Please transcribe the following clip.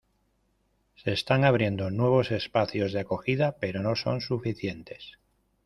Se están abriendo nuevos espacios de acogida, pero no son suficientes.